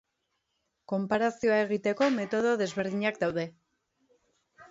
Konparazioa egiteko metodo desberdinak daude.